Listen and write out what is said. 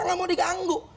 enggak mau diganggu